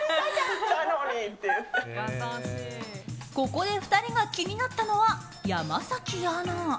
ここで、２人が気になったのは山崎アナ。